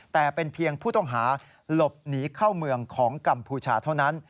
แต่เป็นเพียงผู้ต้องหาหลบหนีเข้าเมืองของกัมพูชาเท่านั้น